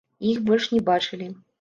І іх больш не бачылі.